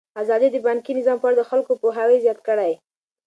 ازادي راډیو د بانکي نظام په اړه د خلکو پوهاوی زیات کړی.